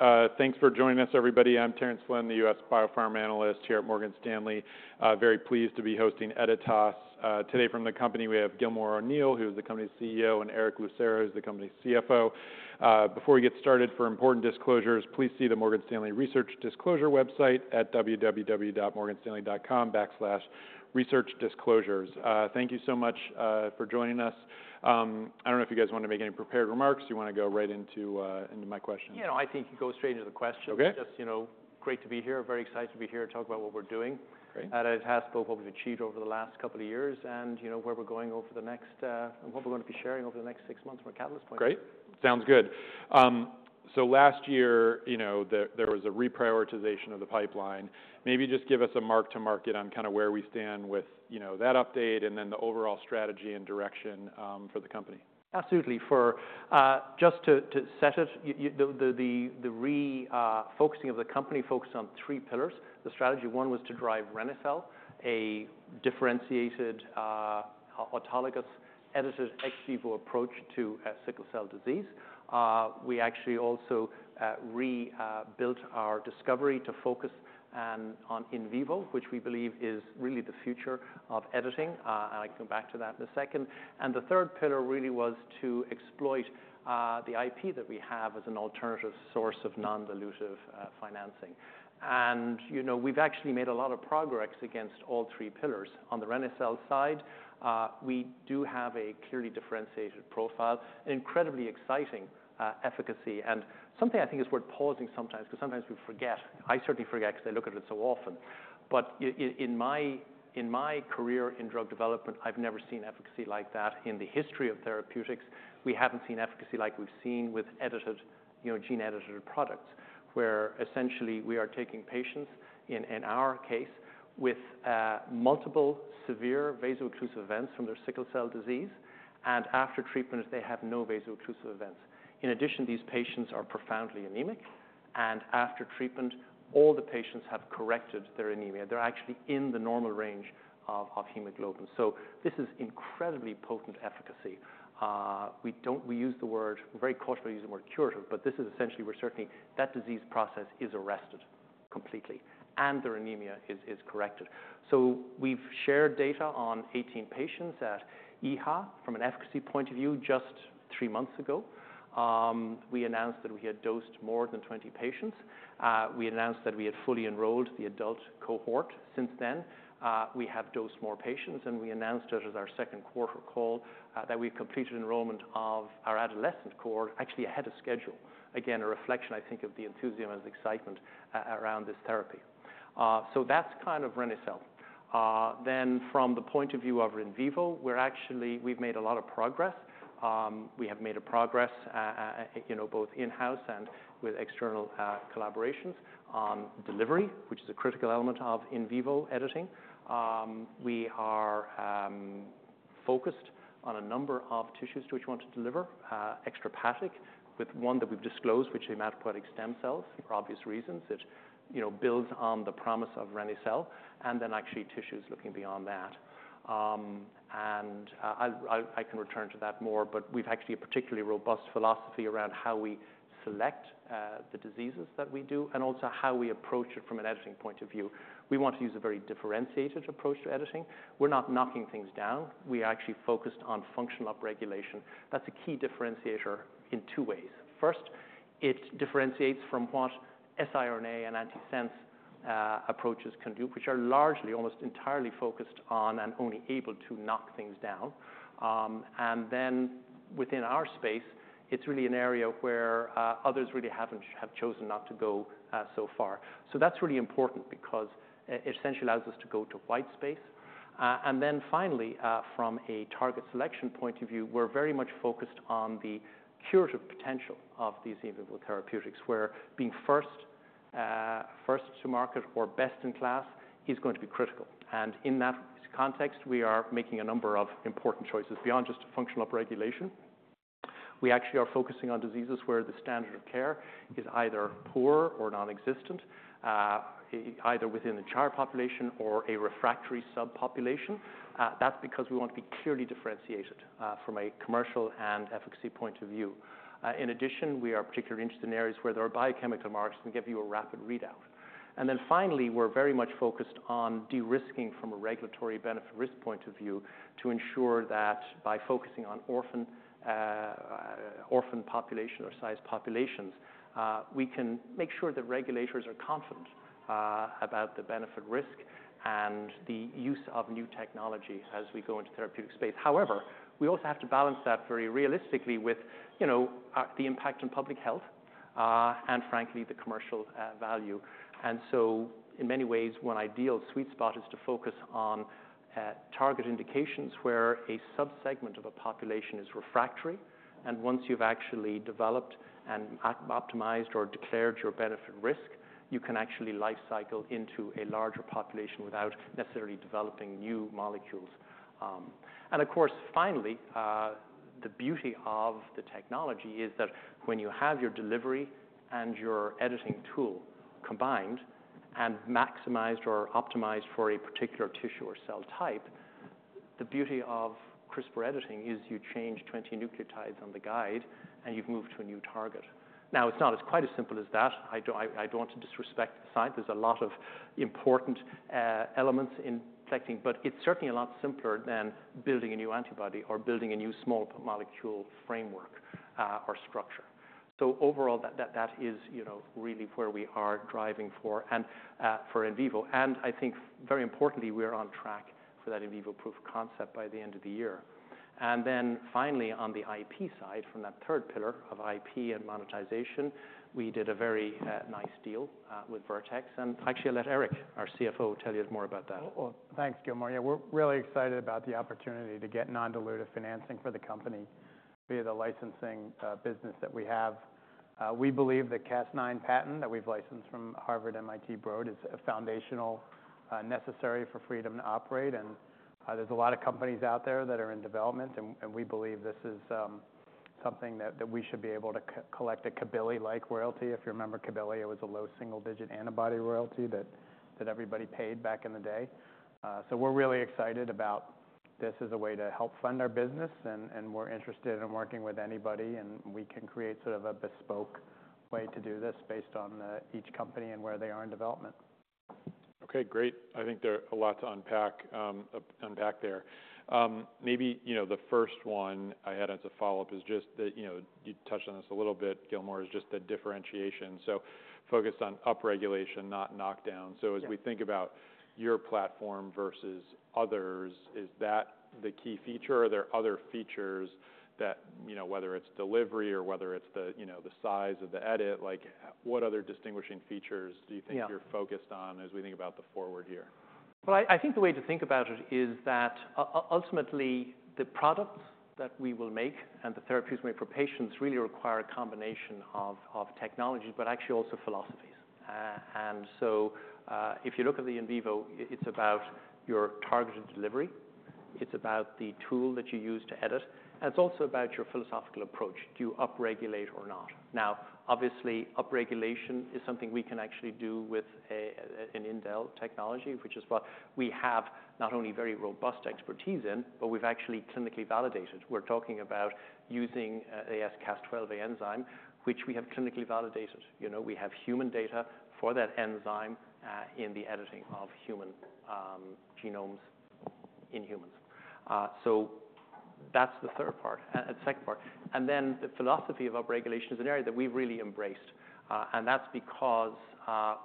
All right, thanks for joining us, everybody. I'm Terence Flynn, the U.S. biopharm analyst here at Morgan Stanley. Very pleased to be hosting Editas. Today from the company, we have Gilmore O'Neill, who's the company's CEO, and Erick Lucero, who's the company's CFO. Before we get started, for important disclosures, please see the Morgan Stanley Research Disclosure website at www.morganstanley.com/researchdisclosures. Thank you so much for joining us. I don't know if you guys want to make any prepared remarks, or you want to go right into my questions? You know, I think go straight into the questions. Okay. Just, you know, great to be here. Very excited to be here to talk about what we're doing. Great. At Editas, both what we've achieved over the last couple of years and, you know, where we're going over the next, and what we're going to be sharing over the next six months from a catalyst point. Great. Sounds good, so last year, you know, there was a reprioritization of the pipeline. Maybe just give us a mark to market on kind of where we stand with, you know, that update, and then the overall strategy and direction, for the company. Absolutely. For just to set it, the refocusing of the company focused on three pillars. The strategy one was to drive reniz-cel, a differentiated autologous edited ex vivo approach to sickle cell disease. We actually also rebuilt our discovery to focus on in vivo, which we believe is really the future of editing, and I can come back to that in a second. The third pillar really was to exploit the IP that we have as an alternative source of non-dilutive financing. You know, we've actually made a lot of progress against all three pillars. On the reniz-cel side, we do have a clearly differentiated profile, an incredibly exciting efficacy. Something I think is worth pausing sometimes, because sometimes we forget. I certainly forget, because I look at it so often, but in my career in drug development, I've never seen efficacy like that. In the history of therapeutics, we haven't seen efficacy like we've seen with edited, you know, gene-edited products, where essentially we are taking patients, in our case, with multiple severe vaso-occlusive events from their sickle cell disease, and after treatment, they have no vaso-occlusive events. In addition, these patients are profoundly anemic, and after treatment, all the patients have corrected their anemia. They're actually in the normal range of hemoglobin. So this is incredibly potent efficacy. We don't use the word, we're very cautious about using the word curative, but this is essentially we're certainly. That disease process is arrested completely, and their anemia is corrected. So we've shared data on 18 patients at EHA from an efficacy point of view just three months ago. We announced that we had dosed more than 20 patients. We announced that we had fully enrolled the adult cohort. Since then, we have dosed more patients, and we announced it as our second quarter call that we've completed enrollment of our adolescent cohort, actually ahead of schedule. Again, a reflection, I think, of the enthusiasm and excitement around this therapy. So that's kind of reniz-cel. Then from the point of view of in vivo, we're actually. We've made a lot of progress, you know, both in-house and with external collaborations on delivery, which is a critical element of in vivo editing. We are focused on a number of tissues to which we want to deliver ex vivo, with one that we've disclosed, which is hematopoietic stem cells, for obvious reasons. It, you know, builds on the promise of reniz-cel, and then actually tissues looking beyond that. I can return to that more, but we've actually a particularly robust philosophy around how we select the diseases that we do, and also how we approach it from an editing point of view. We want to use a very differentiated approach to editing. We're not knocking things down. We are actually focused on functional upregulation. That's a key differentiator in two ways. First, it differentiates from what siRNA and antisense approaches can do, which are largely almost entirely focused on and only able to knock things down. And then within our space, it's really an area where others really haven't chosen to go so far. So that's really important because it essentially allows us to go to white space. And then finally, from a target selection point of view, we're very much focused on the curative potential of these in vivo therapeutics, where being first to market or best in class is going to be critical. And in that context, we are making a number of important choices. Beyond just functional upregulation, we actually are focusing on diseases where the standard of care is either poor or non-existent, either within the entire population or a refractory subpopulation. That's because we want to be clearly differentiated from a commercial and efficacy point of view. In addition, we are particularly interested in areas where there are biochemical marks that give you a rapid readout, and then finally, we're very much focused on de-risking from a regulatory benefit-risk point of view to ensure that by focusing on orphan-sized populations, we can make sure the regulators are confident about the benefit-risk and the use of new technology as we go into therapeutic space. However, we also have to balance that very realistically with, you know, the impact on public health, and frankly, the commercial value. And so in many ways, one ideal sweet spot is to focus on target indications where a subsegment of a population is refractory, and once you've actually developed and optimized or declared your benefit risk, you can actually life cycle into a larger population without necessarily developing new molecules. And of course, finally, the beauty of the technology is that when you have your delivery and your editing tool combined and maximized or optimized for a particular tissue or cell type. The beauty of CRISPR editing is you change 20 nucleotides on the guide, and you've moved to a new target. Now, it's not quite as simple as that. I don't want to disrespect the science. There's a lot of important elements in collecting, but it's certainly a lot simpler than building a new antibody or building a new small molecule framework, or structure. So overall, that is, you know, really where we are driving for and for in vivo, and I think very importantly, we are on track for that in vivo proof concept by the end of the year. And then finally, on the IP side, from that third pillar of IP and monetization, we did a very nice deal with Vertex. And actually, I'll let Eric, our CFO, tell you more about that. Well, thanks, Gilmore. Yeah, we're really excited about the opportunity to get non-dilutive financing for the company via the licensing business that we have. We believe the Cas9 patent that we've licensed from Harvard MIT Broad is a foundational necessary for freedom to operate, and there's a lot of companies out there that are in development, and we believe this is something that we should be able to collect a Cabilly-like royalty. If you remember Cabilly, it was a low single-digit antibody royalty that everybody paid back in the day. So we're really excited about this as a way to help fund our business, and we're interested in working with anybody, and we can create sort of a bespoke way to do this based on each company and where they are in development. Okay, great. I think there are a lot to unpack there. Maybe, you know, the first one I had as a follow-up is just that, you know, you touched on this a little bit, Gilmore, is just the differentiation, so focused on upregulation, not knockdown. Yeah. As we think about your platform versus others, is that the key feature, or are there other features that, you know, whether it's delivery or whether it's the, you know, the size of the edit, like, what other distinguishing features do you think? Yeah... you're focused on as we think about the forward here? Well, I think the way to think about it is that ultimately, the products that we will make and the therapies we make for patients really require a combination of technologies, but actually also philosophies, and so if you look at the in vivo, it's about your targeted delivery, it's about the tool that you use to edit, and it's also about your philosophical approach. Do you upregulate or not? Now, obviously, upregulation is something we can actually do with an indel technology, which is what we have not only very robust expertise in, but we've actually clinically validated. We're talking about using a Cas12a enzyme, which we have clinically validated. You know, we have human data for that enzyme in the editing of human genomes in humans, so that's the third part, second part. The philosophy of upregulation is an area that we've really embraced, and that's because,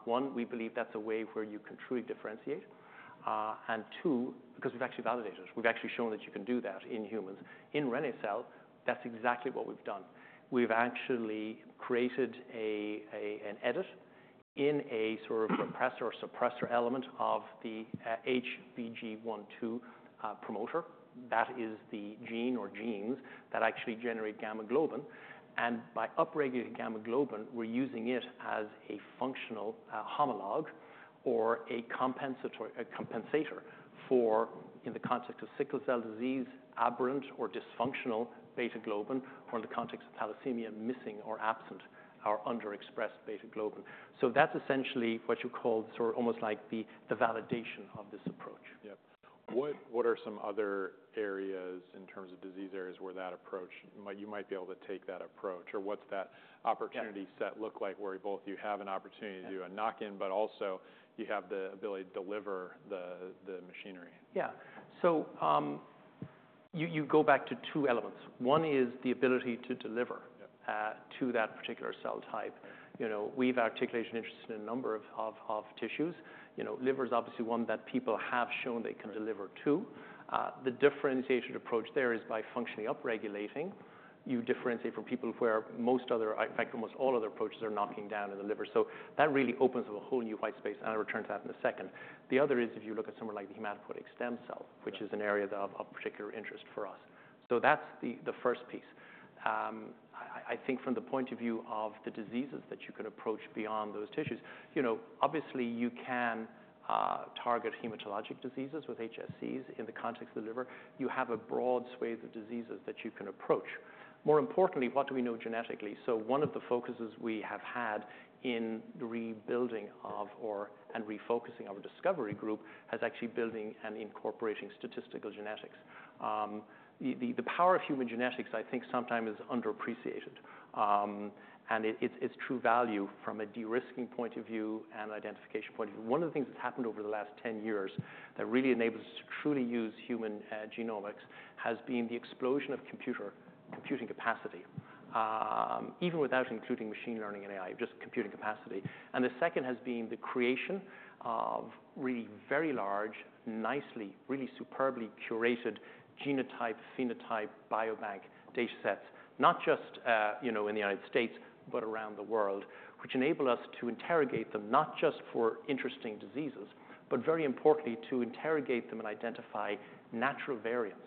one, we believe that's a way where you can truly differentiate, and two, because we've actually validated. We've actually shown that you can do that in humans. In reniz-cel, that's exactly what we've done. We've actually created an edit in a sort of repressor or suppressor element of the HBG1, HBG2 promoter. That is the gene or genes that actually generate gamma globin, and by upregulating gamma globin, we're using it as a functional homolog or a compensator for, in the context of sickle cell disease, aberrant or dysfunctional beta globin, or in the context of thalassemia, missing or absent or underexpressed beta globin. That's essentially what you call sort of almost like the validation of this approach. Yep. What are some other areas in terms of disease areas where that approach, you might be able to take that approach? Or what's that opportunity? Yeah... set look like, where both you have an opportunity to do a knock-in, but also you have the ability to deliver the machinery? Yeah. So, you go back to two elements. One is the ability to deliver- Yeah... to that particular cell type. You know, we've articulated interest in a number of of tissues. You know, liver is obviously one that people have shown they can deliver to. The differentiation approach there is by functionally upregulating. You differentiate from people where most other, in fact, almost all other approaches are knocking down in the liver. So that really opens up a whole new white space, and I'll return to that in a second. The other is if you look at somewhere like the hematopoietic stem cell- Yeah... which is an area of particular interest for us. So that's the first piece. I think from the point of view of the diseases that you can approach beyond those tissues, you know, obviously, you can target hematologic diseases with HSCs in the context of the liver. You have a broad swathe of diseases that you can approach. More importantly, what do we know genetically? So one of the focuses we have had in the rebuilding of and refocusing our discovery group is actually building and incorporating statistical genetics. The power of human genetics, I think, sometimes is underappreciated, and it's true value from a de-risking point of view and identification point of view. One of the things that's happened over the last ten years that really enables us to truly use human genomics, has been the explosion of computing capacity, even without including machine learning and AI, just computing capacity. And the second has been the creation of really very large, nicely, really superbly curated genotype, phenotype, biobank datasets, not just, you know, in the United States, but around the world, which enable us to interrogate them, not just for interesting diseases, but very importantly, to interrogate them and identify natural variants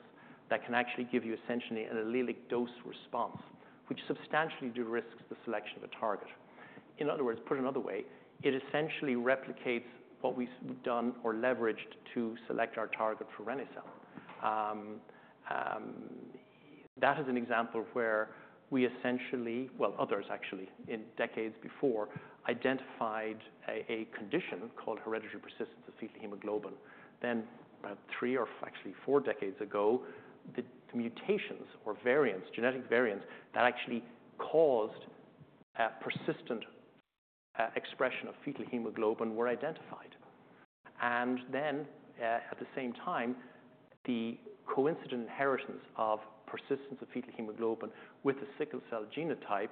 that can actually give you essentially an allelic dose response, which substantially de-risks the selection of a target. In other words, put another way, it essentially replicates what we've done or leveraged to select our target for reniz-cel. That is an example of where we essentially, well, others actually, in decades before, identified a condition called hereditary persistence of fetal hemoglobin. Then about three or actually four decades ago, the mutations or variants, genetic variants that actually caused persistent expression of fetal hemoglobin were identified. And then, at the same time, the coincident inheritance of persistence of fetal hemoglobin with a sickle cell genotype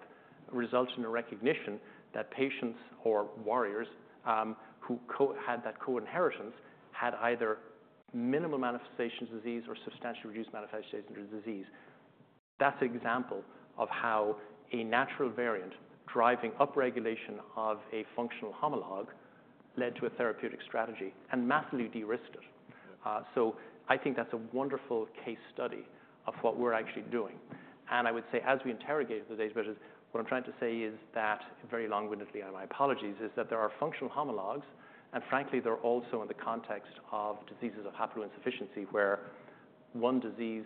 results in a recognition that patients or warriors who had that co-inheritance had either minimal manifestation disease or substantially reduced manifestation disease. That's an example of how a natural variant driving upregulation of a functional homologue led to a therapeutic strategy and massively de-risked it. So I think that's a wonderful case study of what we're actually doing. And I would say, as we interrogate the data, which is what I'm trying to say is that, very long-windedly, and my apologies, is that there are functional homologues, and frankly, they're also in the context of diseases of haploinsufficiency, where one disease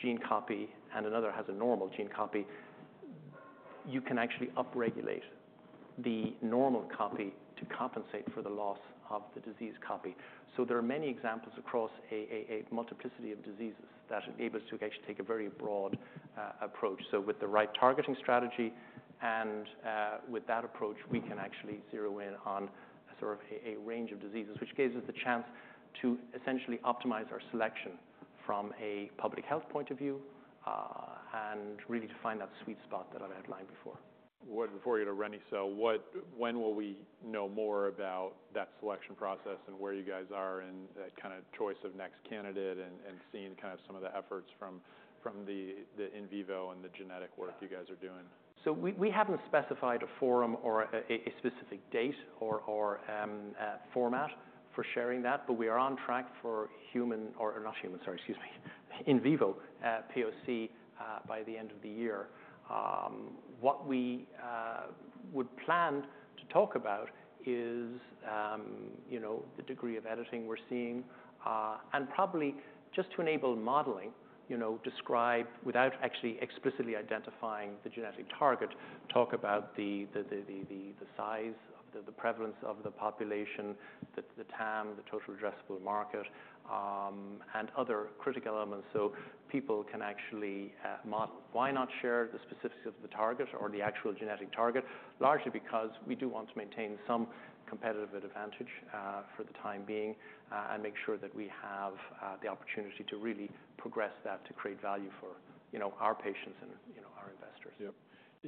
gene copy and another has a normal gene copy. You can actually upregulate the normal copy to compensate for the loss of the disease copy. So there are many examples across a multiplicity of diseases that enable us to actually take a very broad approach. So with the right targeting strategy and with that approach, we can actually zero in on sort of a range of diseases, which gives us the chance to essentially optimize our selection from a public health point of view and really to find that sweet spot that I've outlined before. Before we get to reniz-cel, when will we know more about that selection process and where you guys are in that kind of choice of next candidate and seeing kind of some of the efforts from the in vivo and the genetic work you guys are doing? So we haven't specified a forum or a specific date or format for sharing that, but we are on track for human, or not human, sorry, excuse me, in vivo POC by the end of the year. What we would plan to talk about is, you know, the degree of editing we're seeing and probably just to enable modeling, you know, describe without actually explicitly identifying the genetic target, talk about the size, the prevalence of the population, the TAM, the total addressable market, and other critical elements, so people can actually model. Why not share the specifics of the target or the actual genetic target? Largely because we do want to maintain some competitive advantage, for the time being, and make sure that we have the opportunity to really progress that, to create value for, you know, our patients and, you know, our investors. Yep.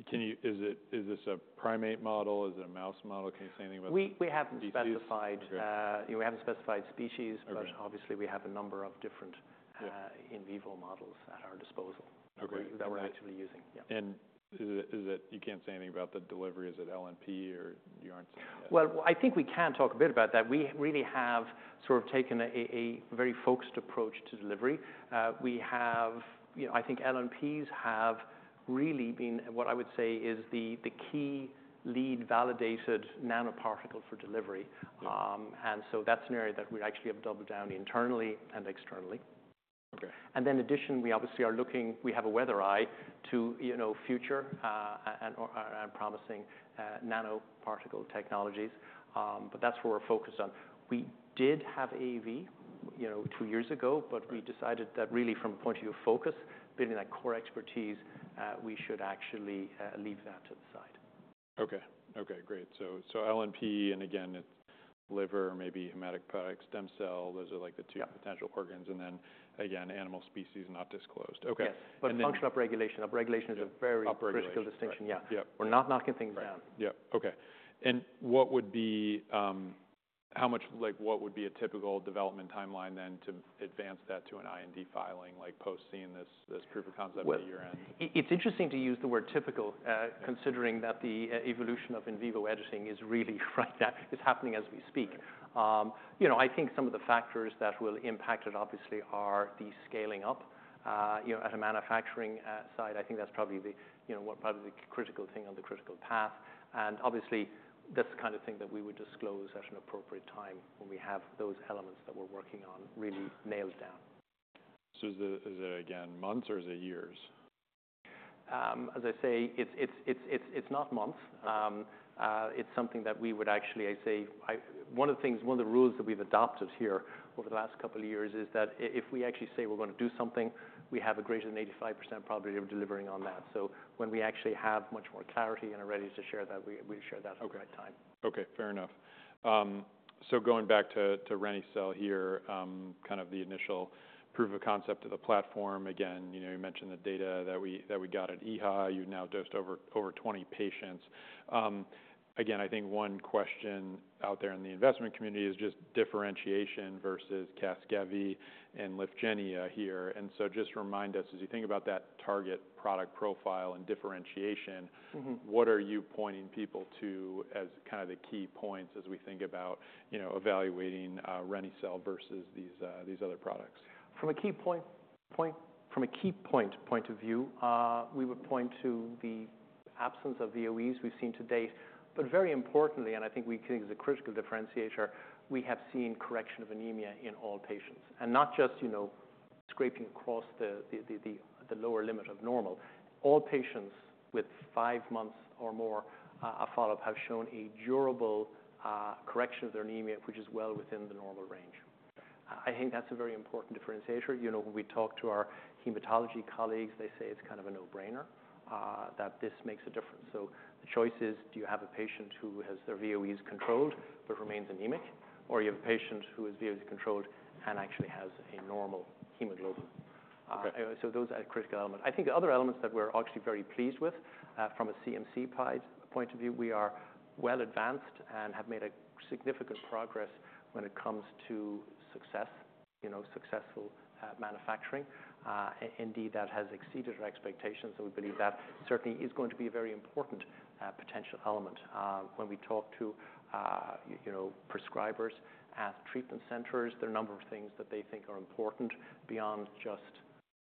Can you... Is it, is this a primate model? Is it a mouse model? Can you say anything about... We haven't specified- Okay. We haven't specified species- Okay... but obviously, we have a number of different, Yeah in vivo models at our disposal Okay that we're actively using. Yeah. And is it you can't say anything about the delivery? Is it LNP, or you aren't saying that? I think we can talk a bit about that. We really have sort of taken a very focused approach to delivery. You know, I think LNPs have really been what I would say is the key lead validated nanoparticle for delivery. Mm-hmm. And so that's an area that we actually have doubled down internally and externally. Okay. And then in addition, we obviously are looking. We have a weather eye to, you know, future and promising nanoparticle technologies. But that's where we're focused on. We did have AAV, you know, two years ago- Right... but we decided that really from a point of view of focus, building that core expertise, we should actually, leave that to the side. Okay, great. So LNP, and again, it's liver, maybe hematopoietic products, stem cell, those are like the two- Yeah potential organs, and then again, animal species, not disclosed. Okay. Yes. And then- But functional upregulation is a very- Upregulation Critical distinction. Yeah. Yep. We're not knocking things down. Yeah. Okay. And what would be, like, what would be a typical development timeline then to advance that to an IND filing, like posting this proof of concept at your end? It's interesting to use the word typical. Yeah... considering that the evolution of in vivo editing is really right now, it's happening as we speak. Right. You know, I think some of the factors that will impact it, obviously, are the scaling up. You know, at a manufacturing side, I think that's probably the, you know, what probably the critical thing on the critical path, and obviously, that's the kind of thing that we would disclose at an appropriate time when we have those elements that we're working on really nailed down. So is it, is it again, months or is it years? As I say, it's not months. Okay. It's something that we would actually, I'd say, one of the things, one of the rules that we've adopted here over the last couple of years is that if we actually say we're gonna do something, we have a greater than 85% probability of delivering on that. So when we actually have much more clarity and are ready to share that, we share that- Okay at the right time. Okay, fair enough. So going back to reniz-cel here, kind of the initial proof of concept of the platform. Again, you know, you mentioned the data that we got at EHA. You've now dosed over 20 patients. Again, I think one question out there in the investment community is just differentiation versus Casgevy and Lyfgenia here. And so just remind us, as you think about that target product profile and differentiation. Mm-hmm... what are you pointing people to as kind of the key points as we think about, you know, evaluating, reniz-cel versus these, these other products? From a key point of view, we would point to the absence of the VOEs we've seen to date. But very importantly, and I think it's a critical differentiator, we have seen correction of anemia in all patients. And not just, you know, scraping across the lower limit of normal. All patients with five months or more of follow-up have shown a durable correction of their anemia, which is well within the normal range. I think that's a very important differentiator. You know, when we talk to our hematology colleagues, they say it's kind of a no-brainer that this makes a difference. So the choice is, do you have a patient who has their VOEs controlled but remains anemic, or you have a patient whose VOE is controlled and actually has a normal hemoglobin? So those are critical elements. I think the other elements that we're actually very pleased with, from a CMC/IP point of view, we are well advanced and have made a significant progress when it comes to success, you know, successful manufacturing. Indeed, that has exceeded our expectations, so we believe that certainly is going to be a very important potential element. When we talk to, you know, prescribers at treatment centers, there are a number of things that they think are important beyond just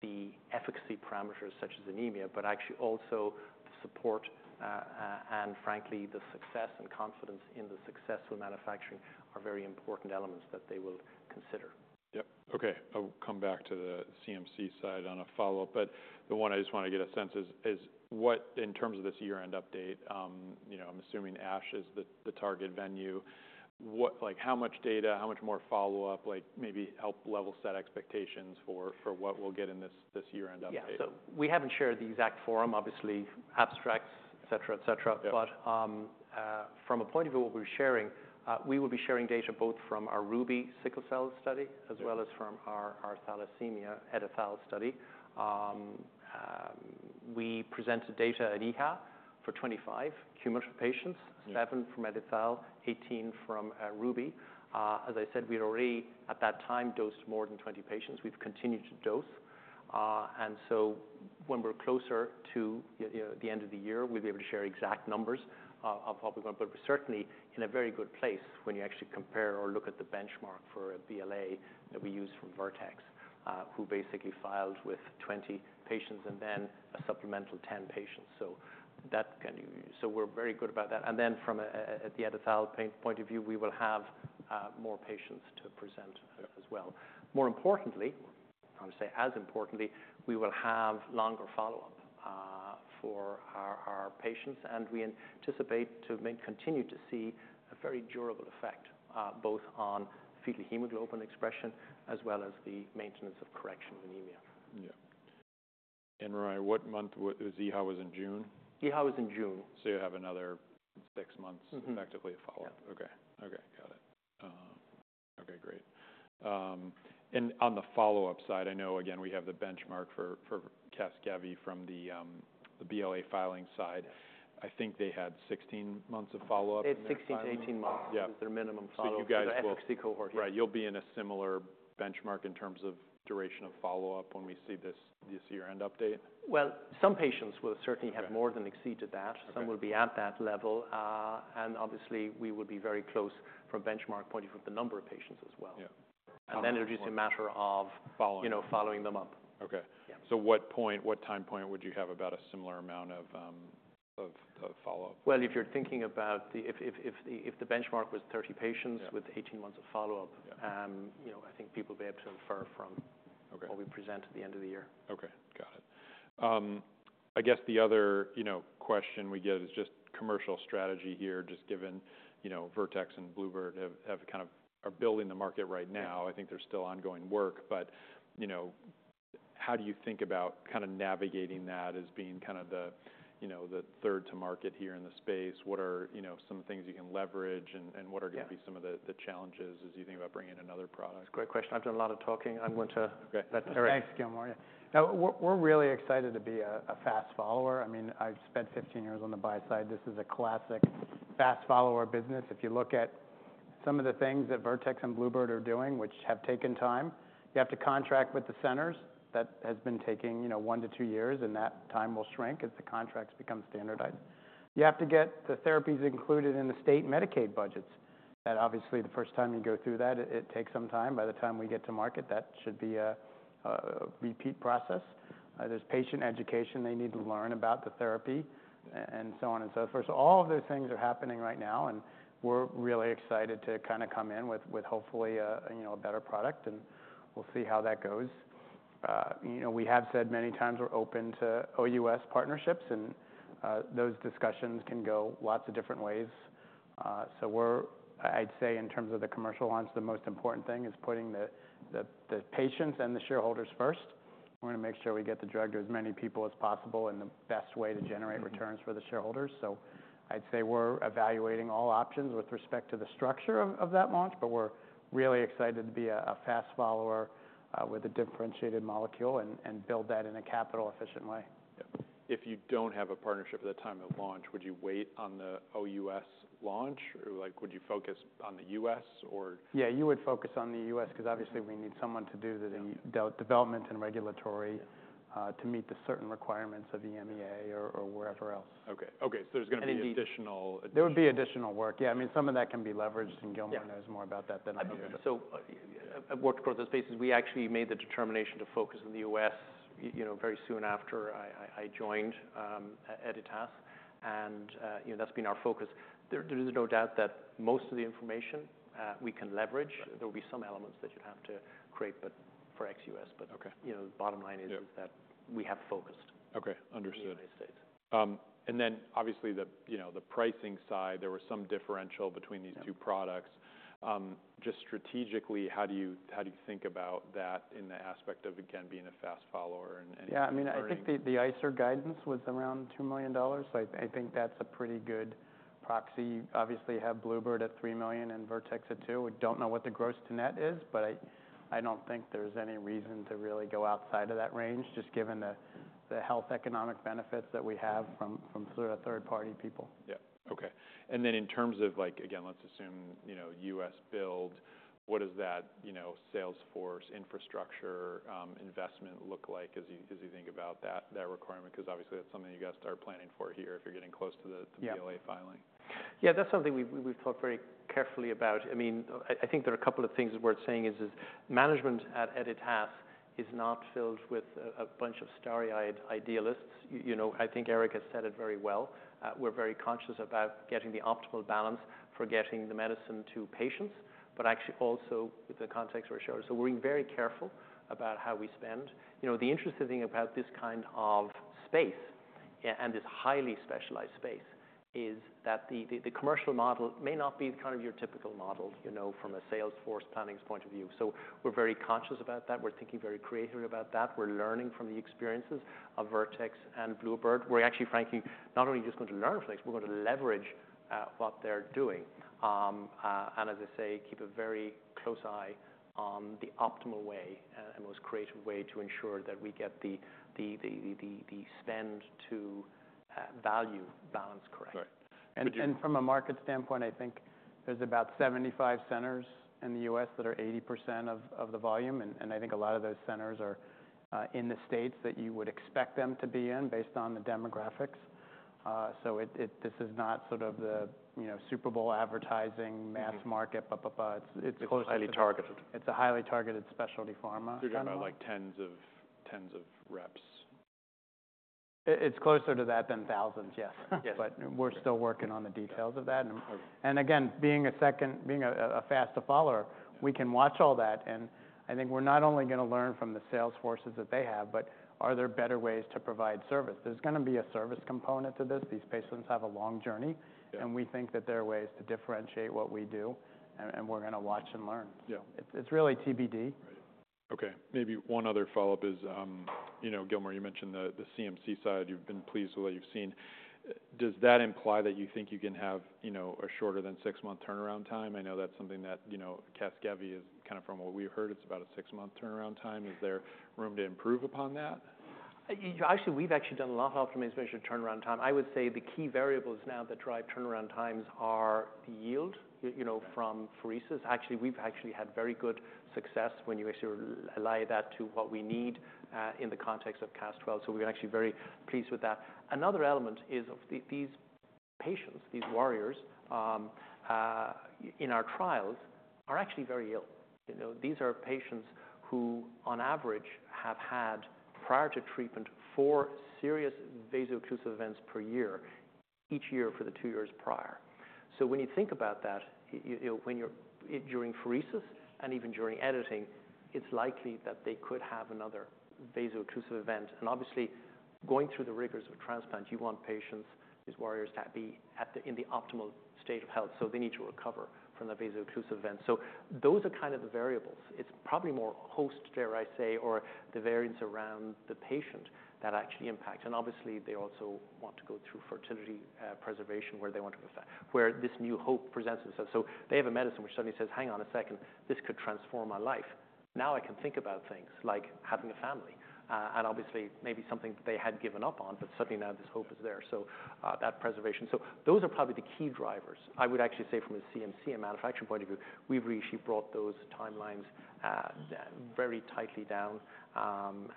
the efficacy parameters such as anemia, but actually also the support and frankly, the success and confidence in the successful manufacturing are very important elements that they will consider. Yep. Okay, I'll come back to the CMC side on a follow-up, but the one I just want to get a sense is what, in terms of this year-end update, you know, I'm assuming ASH is the target venue. What? Like, how much data, how much more follow-up? Like, maybe help level set expectations for what we'll get in this year-end update. Yeah, so we haven't shared the exact forum, obviously abstracts, et cetera, et cetera. Yeah. From a point of view of what we're sharing, we will be sharing data both from our RUBY sickle cell study- Yeah... as well as from our thalassemia, EdiTHAL study. We presented data at EHA for 25 hematological patients, seven from EdiTHAL, 18 from RUBY. As I said, we'd already, at that time, dosed more than 20 patients. We've continued to dose. And so when we're closer to the, you know, the end of the year, we'll be able to share exact numbers of what we want. But we're certainly in a very good place when you actually compare or look at the benchmark for a BLA that we use from Vertex, who basically filed with 20 patients and then a supplemental 10 patients. So that can. So we're very good about that. And then from the EdiTHAL point of view, we will have more patients to present as well. More importantly, I would say, as importantly, we will have longer follow-up for our patients, and we anticipate to may continue to see a very durable effect both on fetal hemoglobin expression as well as the maintenance of correction anemia. Yeah. And Ryan, what month was EHA in June? EHA was in June. So you have another six months- Mm-hmm... effectively to follow up. Yeah. Okay. Okay, got it. Okay, great. And on the follow-up side, I know again, we have the benchmark for Casgevy from the, the BLA filing side. I think they had 16 months of follow-up. It's 16 to 18 months- Yeah... is their minimum follow-up- So you guys will- The FFC cohort. Right. You'll be in a similar benchmark in terms of duration of follow-up when we see this year-end update? Some patients will certainly- Yeah... have more than exceeded that. Okay. Some will be at that level, and obviously, we would be very close from a benchmark point of view, the number of patients as well. Yeah. And then it is just a matter of- Following... you know, following them up. Okay. Yeah. What time point would you have about a similar amount of follow-up? If the benchmark was 30 patients- Yeah... with eighteen months of follow-up- Yeah... you know, I think people will be able to infer from- Okay... what we present at the end of the year. Okay, got it. I guess the other, you know, question we get is just commercial strategy here. Just given, you know, Vertex and Bluebird are building the market right now. Yeah. I think there's still ongoing work, but, you know, how do you think about kind of navigating that as being kind of the, you know, the third to market here in the space? What are, you know, some things you can leverage, and what are- Yeah... gonna be some of the challenges as you think about bringing another product? Great question. I've done a lot of talking. I'm going to- Okay. Let Terry- Thanks, Gilmore. Yeah. Now, we're really excited to be a fast follower. I mean, I've spent fifteen years on the buy side. This is a classic fast follower business. If you look at some of the things that Vertex and Bluebird are doing, which have taken time, you have to contract with the centers. That has been taking, you know, one to two years, and that time will shrink as the contracts become standardized. You have to get the therapies included in the state Medicaid budgets. That obviously, the first time you go through that, it takes some time. By the time we get to market, that should be a repeat process. There's patient education. They need to learn about the therapy, and so on and so forth. So all of those things are happening right now, and we're really excited to kinda come in with hopefully a, you know, better product, and we'll see how that goes. You know, we have said many times we're open to OUS partnerships, and those discussions can go lots of different ways. So I'd say in terms of the commercial launch, the most important thing is putting the patients and the shareholders first. We wanna make sure we get the drug to as many people as possible and the best way to generate returns for the shareholders. So I'd say we're evaluating all options with respect to the structure of that launch, but we're really excited to be a fast follower with a differentiated molecule and build that in a capital efficient way. Yeah. If you don't have a partnership at the time of launch, would you wait on the OUS launch, or, like, would you focus on the U.S., or? Yeah, you would focus on the US because obviously we need someone to do the- Yeah... development and regulatory, to meet the certain requirements of the EMA or wherever else. Okay. Okay, so there's gonna be- And indeed-... additional There would be additional work. Yeah, I mean, some of that can be leveraged, and Gilmore- Yeah... knows more about that than I do. So I've worked across the spaces. We actually made the determination to focus on the U.S., you know, very soon after I joined at Editas, and you know, that's been our focus. There is no doubt that most of the information we can leverage. There will be some elements that you'd have to create, but for ex-U.S. Okay. But, you know, the bottom line is- Yeah is that we have focused. Okay, understood. - on the United States. And then obviously, the, you know, the pricing side, there was some differential between these- Yeah Two products. Just strategically, how do you think about that in the aspect of, again, being a fast follower and- Yeah, I mean, I think the ICER guidance was around $2 million. So I think that's a pretty good proxy. Obviously, you have Bluebird at $3 million and Vertex at $2 million. We don't know what the gross to net is, but I don't think there's any reason to really go outside of that range, just given the health economic benefits that we have from sort of third-party people. Yeah. Okay. And then in terms of like, again, let's assume, you know, US build, what does that, you know, sales force, infrastructure, investment look like as you think about that requirement? 'Cause obviously, that's something you've got to start planning for here if you're getting close to the, the- Yeah... BLA filing. Yeah, that's something we've thought very carefully about. I mean, I think there are a couple of things that we're saying is management at Editas is not filled with a bunch of starry-eyed idealists. You know, I think Eric has said it very well. We're very conscious about getting the optimal balance for getting the medicine to patients, but actually also with the context we're sure. So we're being very careful about how we spend. You know, the interesting thing about this kind of space and this highly specialized space is that the commercial model may not be kind of your typical model, you know, from a sales force planning point of view. So we're very conscious about that. We're thinking very creatively about that. We're learning from the experiences of Vertex and Bluebird. We're actually, frankly, not only just going to learn from this, we're going to leverage what they're doing, and as I say, keep a very close eye on the optimal way and most creative way to ensure that we get the spend to value balance correct. Right. From a market standpoint, I think there's about 75 centers in the U.S. that are 80% of the volume, and I think a lot of those centers are in the states that you would expect them to be in, based on the demographics. So this is not sort of the, you know, Super Bowl advertising- Mm-hmm Mass market. It's It's highly targeted. It's a highly targeted specialty pharma. So you're talking about, like, tens of, tens of reps? It's closer to that than thousands, yes. Yes. But we're still working on the details of that. Okay. Again, being a faster follower, we can watch all that, and I think we're not only gonna learn from the sales forces that they have, but are there better ways to provide service? There's gonna be a service component to this. These patients have a long journey. Yeah and we think that there are ways to differentiate what we do, and we're gonna watch and learn. Yeah. It's really TBD. Right. Okay, maybe one other follow-up is, you know, Gilmore, you mentioned the CMC side, you've been pleased with what you've seen. Does that imply that you think you can have, you know, a shorter than six-month turnaround time? I know that's something that, you know, Casgevy is kind of from what we've heard, it's about a six-month turnaround time. Yeah. Is there room to improve upon that? Actually, we've actually done a lot of optimization turnaround time. I would say the key variables now that drive turnaround times are the yield, you know, from apheresis. Actually, we've actually had very good success when you actually align that to what we need, in the context of Cas12, so we're actually very pleased with that. Another element is of these patients, these warriors, in our trials are actually very ill. You know, these are patients who, on average, have had, prior to treatment, four serious vaso-occlusive events per year, each year for the two years prior. So when you think about that, you know, when you're during apheresis and even during editing, it's likely that they could have another vaso-occlusive event. Obviously, going through the rigors of transplant, you want patients, these warriors, to be at the, in the optimal state of health, so they need to recover from the vaso-occlusive event. Those are kind of the variables. It's probably more host, dare I say, or the variance around the patient that actually impact. Obviously, they also want to go through fertility preservation, where this new hope presents itself. They have a medicine which suddenly says, "Hang on a second, this could transform my life. Now, I can think about things like having a family." Obviously, maybe something that they had given up on, but suddenly now this hope is there, so that preservation. Those are probably the key drivers. I would actually say from a CMC, a manufacturing point of view, we've really brought those timelines very tightly down,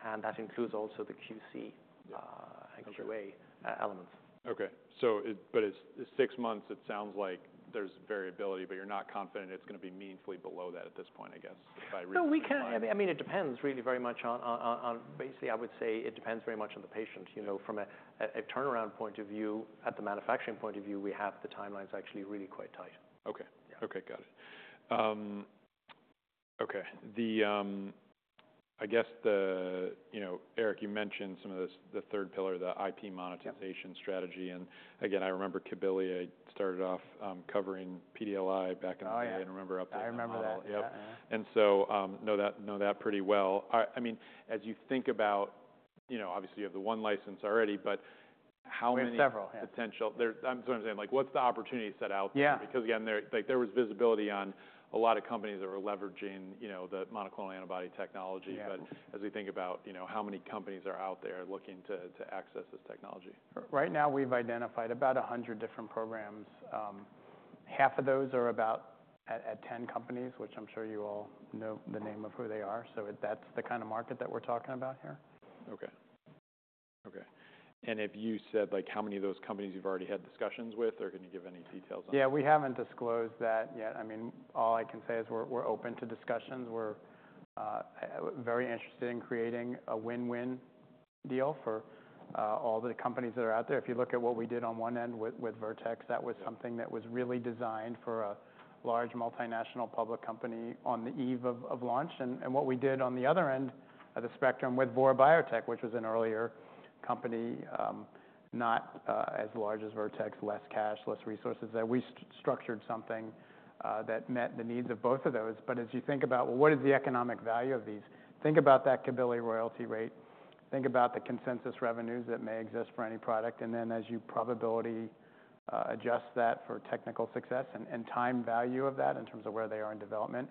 and that includes also the QC. Okay... and QA, elements. Okay. So, but it's six months. It sounds like there's variability, but you're not confident it's gonna be meaningfully below that at this point, I guess, by reading the time- No, we can't. I mean, it depends really very much on, basically, I would say it depends very much on the patient. Yeah. You know, from a turnaround point of view, at the manufacturing point of view, we have the timelines actually really quite tight. Okay. Yeah. Okay, got it. Okay, I guess the, you know, Eric, you mentioned some of the third pillar, the IP monetization- Yeah - strategy, and again, I remember Cabilly. I started off covering PDLI back in the day. Oh, yeah. I remember up- I remember that. Yep. Yeah. And so, know that pretty well. I mean, as you think about, you know, obviously, you have the one license already, but how many- We have several. Yeah... potential? So what I'm saying, like, what's the opportunity set out there? Yeah. Because, again, like, there was visibility on a lot of companies that were leveraging, you know, the monoclonal antibody technology. Yeah. But as we think about, you know, how many companies are out there looking to access this technology? Right now, we've identified about 100 different programs. Half of those are at 10 companies, which I'm sure you all know the name of who they are. So that's the kind of market that we're talking about here. Okay, and have you said, like, how many of those companies you've already had discussions with, or can you give any details on that? Yeah, we haven't disclosed that yet. I mean, all I can say is we're open to discussions. We're very interested in creating a win-win deal for all the companies that are out there. If you look at what we did on one end with Vertex, that was something that was really designed for a large multinational public company on the eve of launch. What we did on the other end of the spectrum with Vor Biopharma, which was an earlier company, not as large as Vertex, less cash, less resources, that we structured something that met the needs of both of those. But as you think about, well, what is the economic value of these? Think about that Cabilly royalty rate. Think about the consensus revenues that may exist for any product, and then as you probability adjust that for technical success and time value of that in terms of where they are in development.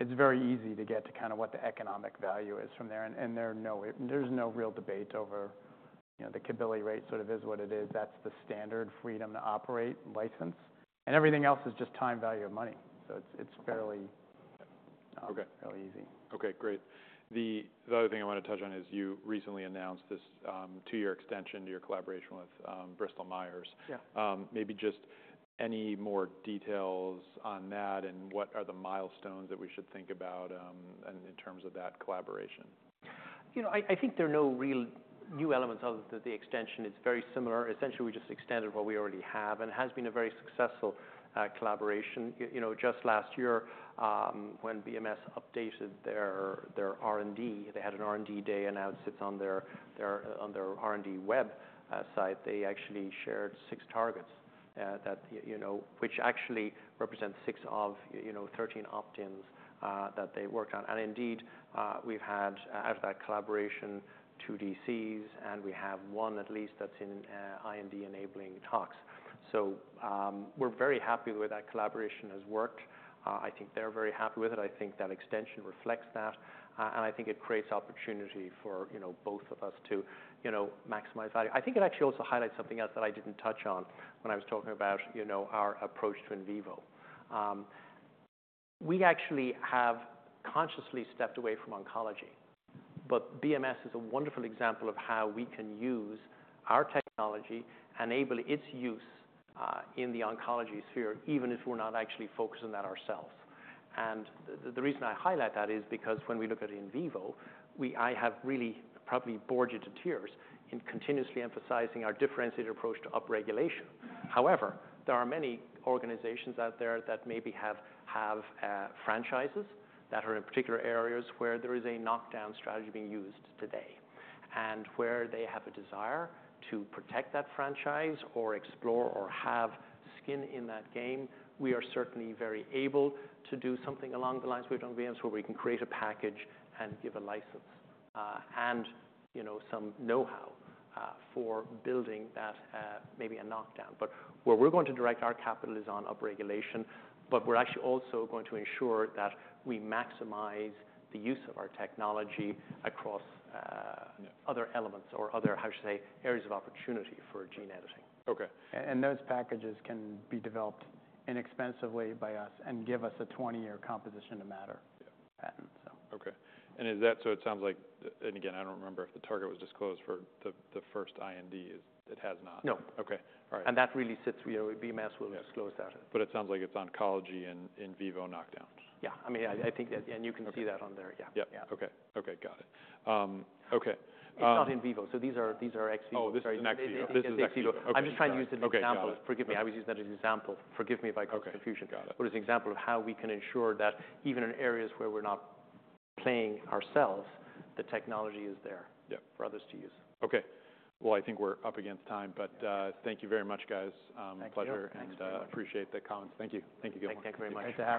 It's very easy to get to kinda what the economic value is from there. And there are no real debate over, you know, the Cabilly rate, sort of is what it is. That's the standard freedom-to-operate license, and everything else is just time value of money. So it's fairly- Okay. Fairly easy. Okay, great. The other thing I want to touch on is you recently announced this, two-year extension to your collaboration with, Bristol Myers. Yeah. Maybe just any more details on that, and what are the milestones that we should think about, in terms of that collaboration? You know, I think there are no real new elements of the extension. It's very similar. Essentially, we just extended what we already have, and it has been a very successful collaboration. You know, just last year, when BMS updated their R&D, they had an R&D day, and now it sits on their R&D web site. They actually shared six targets that you know which actually represent six of thirteen opt-ins that they worked on. And indeed, we've had, out of that collaboration, two DCs, and we have one at least that's in IND enabling talks. So, we're very happy with how that collaboration has worked. I think they're very happy with it. I think that extension reflects that, and I think it creates opportunity for, you know, both of us to, you know, maximize value. I think it actually also highlights something else that I didn't touch on when I was talking about, you know, our approach to in vivo. We actually have consciously stepped away from oncology, but BMS is a wonderful example of how we can use our technology, enable its use, in the oncology sphere, even if we're not actually focused on that ourselves. And the reason I highlight that is because when we look at in vivo, I have really probably bored you to tears in continuously emphasizing our differentiated approach to upregulation. However, there are many organizations out there that maybe have franchises that are in particular areas where there is a knockdown strategy being used today, and where they have a desire to protect that franchise or explore or have skin in that game. We are certainly very able to do something along the lines with BMS, where we can create a package and give a license, and you know, some know-how, for building that, maybe a knockdown. But where we're going to direct our capital is on upregulation, but we're actually also going to ensure that we maximize the use of our technology across, Yeah... other elements or, how should I say, areas of opportunity for gene editing. Okay. and those packages can be developed inexpensively by us and give us a twenty-year composition of matter. Yeah... patent, so. Okay, and is that so? It sounds like... And again, I don't remember if the target was disclosed for the first IND. It has not? No. Okay. All right. And that really sits... You know, BMS will disclose that. But it sounds like it's oncology and in vivo knockdowns. Yeah. I mean, I, I think that, and you can see that on there. Okay. Yeah. Yeah. Yeah. Okay. Okay, got it. It's not in vivo, so these are ex vivo. Oh, this is an ex vivo. This is ex vivo. This is ex vivo. I'm just trying to use an example. Okay, got it. Forgive me, I was using that as an example. Forgive me if I caused- Okay, got it.... confusion, but as an example of how we can ensure that even in areas where we're not playing ourselves, the technology is there- Yeah... for others to use. Okay. Well, I think we're up against time, but, thank you very much, guys. Thank you. Pleasure, and appreciate the comments. Thank you. Thank you again. Thank you very much. Great to have you.